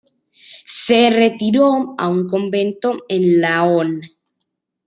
Se retiró a un convento en Laon.